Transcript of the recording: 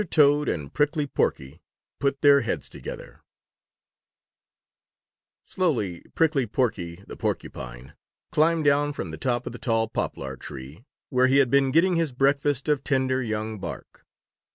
TOAD AND PRICKLY PORKY PUT THEIR HEADS TOGETHER Slowly Prickly Porky the Porcupine climbed down from the top of the tall poplar tree where he had been getting his breakfast of tender young bark.